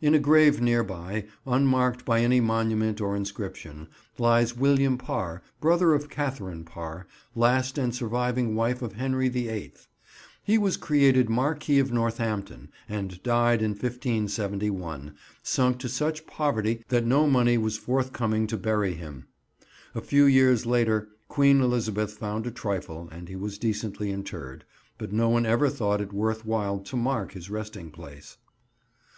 In a grave near by, unmarked by any monument or inscription, lies William Parr, brother of Katharine Parr, last and surviving wife of Henry the Eighth. He was created Marquis of Northampton, and died in 1571, sunk to such poverty that no money was forthcoming to bury him. A few years later, Queen Elizabeth found a trifle, and he was decently interred, but no one ever thought it worth while to mark his resting place.